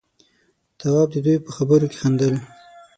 تواب د دوي په خبرو کې خندل.